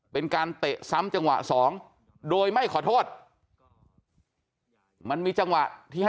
เป็นการเตะซ้ำจังหวะ๒